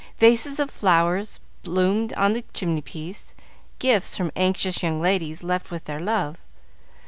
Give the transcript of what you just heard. Vases of flowers bloomed on the chimney piece, gifts from anxious young ladies, left with their love.